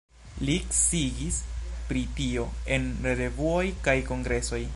Li sciigis pri tio en revuoj kaj kongresoj.